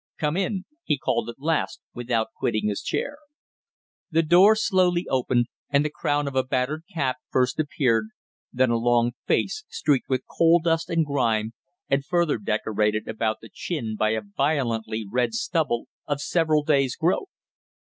"Come in," he called at last, without quitting his chair. The door slowly opened and the crown of a battered cap first appeared, then a long face streaked with coal dust and grime and further decorated about the chin by a violently red stubble of several days' growth.